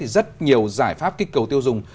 rất nhiều giải pháp kích cầu tiêu dùng